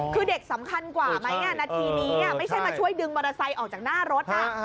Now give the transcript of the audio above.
คือเด็กสำคัญกว่าไหมนาทีนี้ไม่ใช่มาช่วยดึงมอเตอร์ไซค์ออกจากหน้ารถ